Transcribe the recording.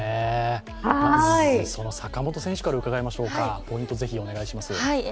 まず坂本選手から伺いましょうか、ポイントをお願いします。